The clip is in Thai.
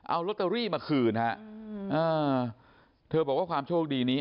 เอาลอตเตอรี่มาคืนฮะเธอบอกว่าความโชคดีนี้